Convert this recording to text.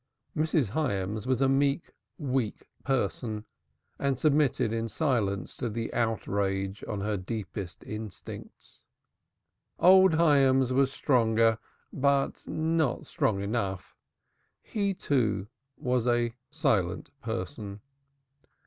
Mrs. Hyams was a meek, weak person and submitted in silence to the outrage on her deepest instincts. Old Hyams was stronger, but not strong enough. He, too, was a silent person.